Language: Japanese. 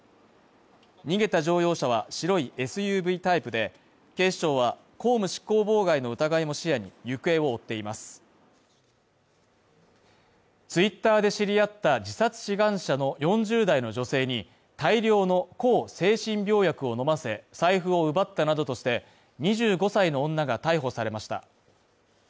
逃げた乗用車は白いＳＵＶタイプで、警視庁は公務執行妨害の疑いも視野に、行方を追っていますＴｗｉｔｔｅｒで知り合った自殺志願者の４０代の女性に大量の抗精神病薬を飲ませ、財布を奪ったなどとして、２５歳の女が逮捕されました。